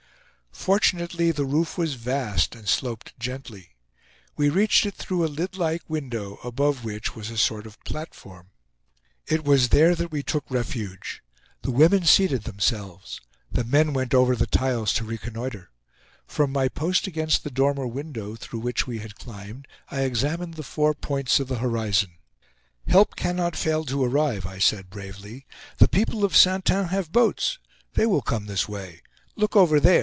Fortunately, the roof was vast and sloped gently. We reached it through a lid like window, above which was a sort of platform. It was there that we took refuge. The women seated themselves. The men went over the tiles to reconnoitre. From my post against the dormer window through which we had climbed, I examined the four points of the horizon. "Help cannot fail to arrive," I said, bravely. "The people of Saintin have boats; they will come this way. Look over there!